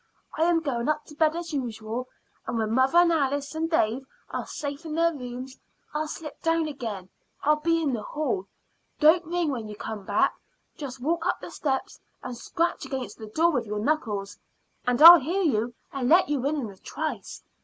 "I am going up to bed as usual, and when mother and Alice and Dave are safe in their rooms I'll slip down again. I'll be in the hall. Don't ring when you come back; just walk up the steps and scratch against the door with your knuckles, and I'll hear you and let you in in a trice.